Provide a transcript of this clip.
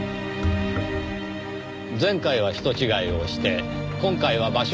前回は人違いをして今回は場所を間違えた。